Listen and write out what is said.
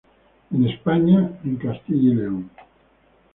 En España en Castilla y León.